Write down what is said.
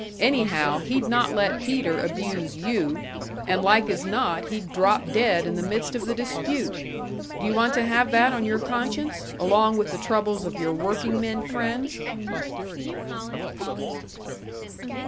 Anyhow, he'd not let Peter abuse you and like as not he'd drop dead in the midst of the dispute! Do you want to have that on your conscience, along with the troubles of your workingmen friends?"